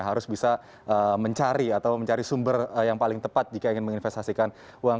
harus bisa mencari atau mencari sumber yang paling tepat jika ingin menginvestasikan uang